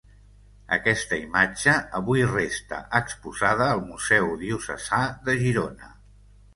Aquesta imatge avui resta exposada al Museu Diocesà de Girona.